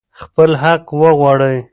خپل حق وغواړئ.